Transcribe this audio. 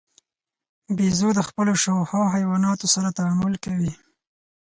بیزو د خپلو شاوخوا حیواناتو سره تعامل کوي.